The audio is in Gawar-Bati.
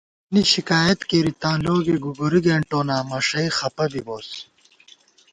مونی شِکایت کېری تاں لوگے گُگُری گېنٹَووناں مَݭَئ خپہ بِبُوس